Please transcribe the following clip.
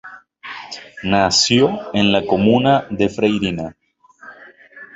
Nació en la comuna de Freirina.